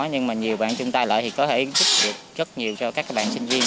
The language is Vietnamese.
nhưng mà nhiều bạn chung tay lợi thì có thể giúp được rất nhiều cho các bạn sinh viên